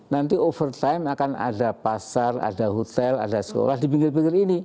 nanti over time akan ada pasar ada hotel ada sekolah di pinggir pinggir ini